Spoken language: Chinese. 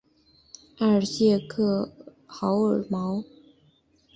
埃尔谢克豪尔毛。